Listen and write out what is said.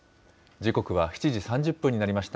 時刻は７時３０分になりました。